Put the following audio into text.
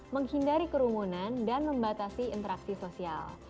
menghindari kerumunan dan membatasi interaksi sosial